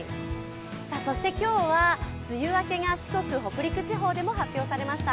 そして今日は梅雨明けが四国、北陸地方でも発表されました